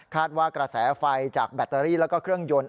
ว่ากระแสไฟจากแบตเตอรี่แล้วก็เครื่องยนต์